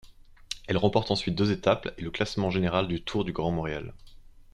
Elle remporte ensuite deux étapes et le classement général du Tour du Grand Montréal.